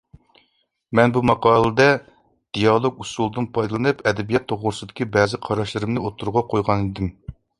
مەن بۇ ماقالىدە دىئالوگ ئۇسۇلىدىن پايدىلىنىپ ئەدەبىيات توغرىسىدىكى بەزى قاراشلىرىمنى ئوتتۇرىغا قويغانىدىم.